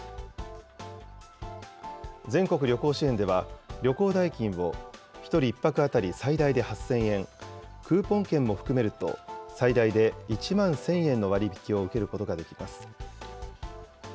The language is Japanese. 全国旅行支援では、旅行代金を１人１泊当たり最大で８０００円、クーポン券も含めると、最大で１万１０００円の割引を受けることができます。